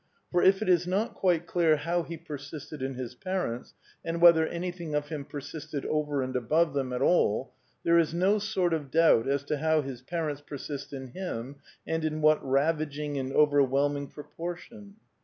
For if it is not quite clear how he persisted in his parents, and whether anything of him persisted over and above them i at ally there is no sort of doubt as to how his parents per 1 sist in him and in what ravaging and overwhelming pro 1 portion.